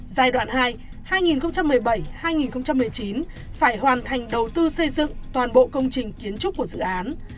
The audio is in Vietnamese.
giai đoạn hai hai nghìn một mươi bảy hai nghìn một mươi chín phải hoàn thành đầu tư xây dựng toàn bộ công trình kiến trúc của dự án